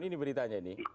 ini beritanya ini